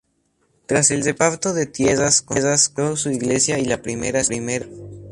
Tras el reparto de tierras, construyó su iglesia y la primera escuela.